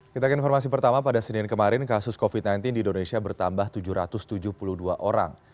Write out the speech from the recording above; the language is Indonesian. kita ke informasi pertama pada senin kemarin kasus covid sembilan belas di indonesia bertambah tujuh ratus tujuh puluh dua orang